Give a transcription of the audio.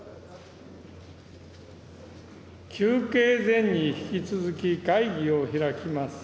休憩前に引き続き、会議を開きます。